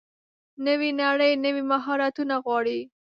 نوې نړۍ نوي مهارتونه غواړي.